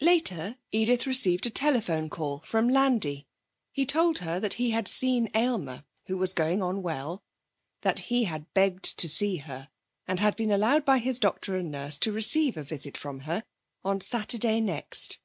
Later Edith received a telephone call from Landi. He told her that he had seen Aylmer, who was going on well, that he had begged to see her, and had been allowed by his doctor and nurse to receive a visit from her on Saturday next.